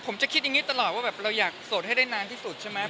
ผมจะคิดอย่างนี้ตลอดว่าแบบเราอยากโสดให้ได้นานที่สุดใช่ไหม